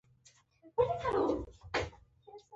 د ښځو د حقونو نقض باید پای ته ورسېږي.